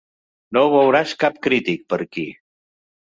No veuràs cap crític, per aquí.